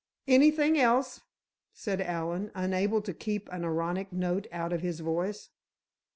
"Anything else?" said Allen, unable to keep an ironic note out of his voice.